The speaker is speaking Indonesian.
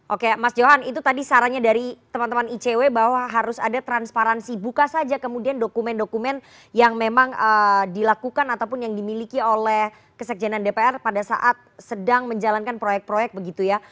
oke mas johan itu tadi sarannya dari teman teman icw bahwa harus ada transparansi buka saja kemudian dokumen dokumen yang memang dilakukan ataupun yang dimiliki oleh kesekjenan dpr pada saat sedang menjalankan proyek proyek begitu ya